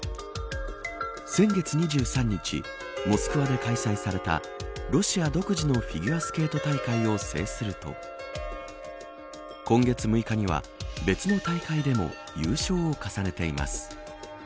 先月２３日モスクワで開催されたロシア独自のフィギュアスケート大会を制すると今月６日には別の大会でも優勝を重ねています。